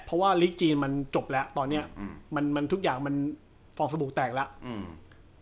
เพราะว่าลีกจีนมันจบแล้วตอนเนี้ยอืมมันมันทุกอย่างมันฟอกสบู่แตกแล้วอืม